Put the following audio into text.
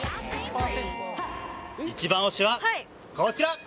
一番推しはこちら。